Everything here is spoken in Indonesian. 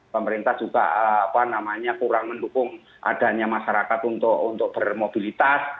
pemerintah juga kurang mendukung adanya masyarakat untuk bermobilitas